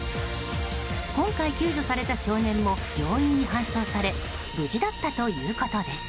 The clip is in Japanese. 今回、救助された少年も病院に搬送され無事だったということです。